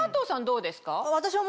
どうですか？